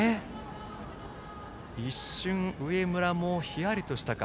一瞬上村もひやりとしたか。